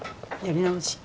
やり直し。